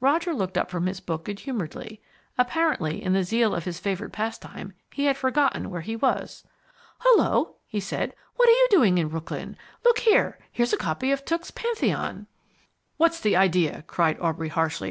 Roger looked up from his book good humouredly. Apparently, in the zeal of his favourite pastime, he had forgotten where he was. "Hullo!" he said. "What are you doing in Brooklyn? Look here, here's a copy of Tooke's Pantheon " "What's the idea?" cried Aubrey harshly.